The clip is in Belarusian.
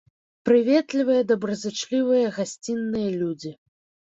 Прыветлівыя, добразычлівыя, гасцінныя людзі.